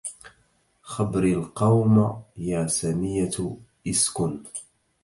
خبري القوم يا سمية إسكن